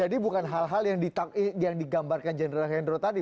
jadi bukan hal hal yang digambarkan general hendro tadi